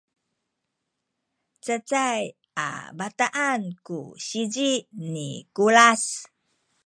cacay a bataan ku sizi ni Kulas